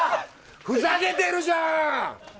ふざけてるじゃーん！